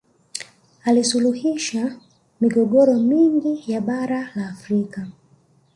alisuluhisha migogoro mingi ya bara la afrika